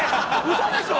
嘘でしょ！